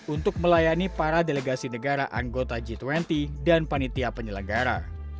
untuk melayani para delegasi negara anggota g dua puluh dan panitia penyelenggara